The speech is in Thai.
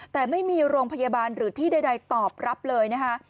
แต่ไม่มีโรงพยาบาลหรือที่ใดตอบรับเลยนะคะ